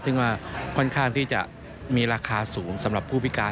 ซึ่งว่าค่อนข้างที่จะมีราคาสูงสำหรับผู้พิการ